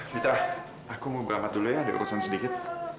mita aku mau beramat dulu ya ada urusan sedikit